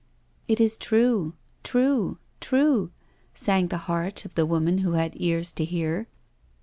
" It is true — true — true," sang the heart of the woman who had ears to hear.